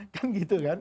kan gitu kan